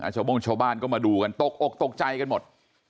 ชาวโม่งชาวบ้านก็มาดูกันตกอกตกใจกันหมด